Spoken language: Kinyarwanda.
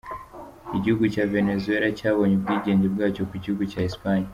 Igihugu cya Venezuela cyabonye ubwigenge bwacyo ku gihugu cya Espagne.